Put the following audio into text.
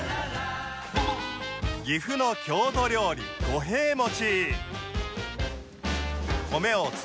岐阜の郷土料理五平餅